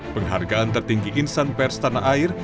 penghargaan tertinggi insan pers tanah air